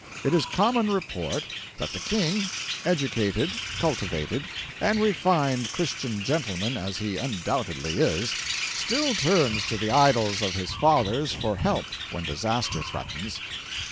It is common report that the King, educated, cultivated and refined Christian gentleman as he undoubtedly is, still turns to the idols of his fathers for help when disaster threatens.